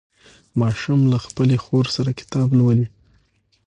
ماشوم له خپلې خور سره کتاب لولي